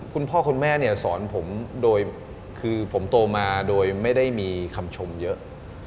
คุณพ่อคุณแม่เนี่ยสอนผมโดยคือผมโตมาโดยไม่ได้มีคำชมเยอะ